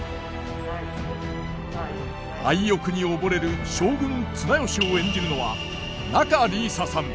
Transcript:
愛欲に溺れる将軍・綱吉を演じるのは仲里依紗さん。